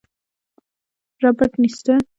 رابرټ نیسټه مارلې وایي پیسې شمېرې دي بې پایه دي.